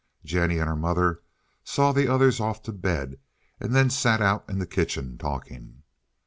Jennie and her mother saw the others off to bed, and then sat out in the kitchen talking.